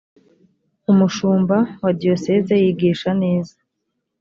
umushumba wa dioseze yigisha neza.